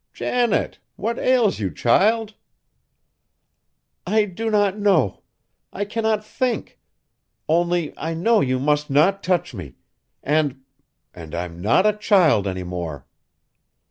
"Janet! What ails you, child?" "I do not know. I cannot think. Only I know you must not touch me; and and I'm not a child any more!"